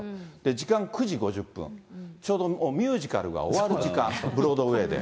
時間９時５０分、ちょうどミュージカルが終わる時間、ブロードウェイで。